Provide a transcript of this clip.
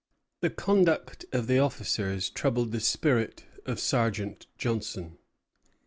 The conduct of the officers troubled the spirit of Sergeant Johnson.